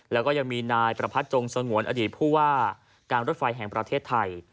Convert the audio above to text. และยังมีนายประพัทย์จงสลงวลอดีตภูวาการรถไฟแห่งประเทศไทย